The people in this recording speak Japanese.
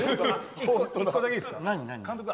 １個だけいいですか。